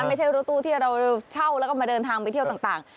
ไม่ใช่รถตู้ที่เราเช่าแล้วก็มาเดินทางไปเที่ยวต่าง